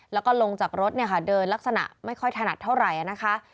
แล้วก็ลงจากรถเนี่ยค่ะเดินลักษณะไม่ค่อยถนัดเท่าไหร่นะคะ